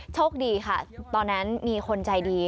โชคดีค่ะตอนนั้นมีคนใจดี